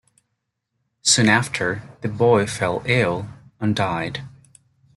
Soon after the boy fell ill and died.